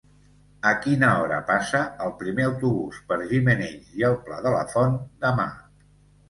A quina hora passa el primer autobús per Gimenells i el Pla de la Font demà?